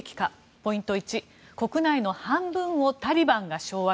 ポイント１国内の半分をタリバンが掌握。